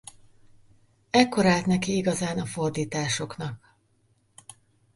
Ekkor állt neki igazán a fordításoknak.